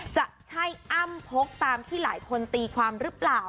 จะใช่อ้ำพกตามที่หลายคนตีความหรือเปล่า